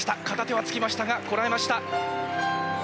片手はつきましたがこらえました。